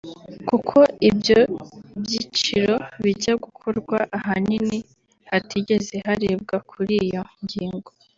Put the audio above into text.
kuko ibyo byiciro bijya gukorwa ahanini hatigeze harebwa kuri iyo ngingo